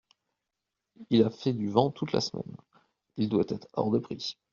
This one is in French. Il a fait du vent toute la semaine, il doit être hors de prix…